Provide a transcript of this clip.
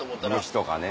虫とかね。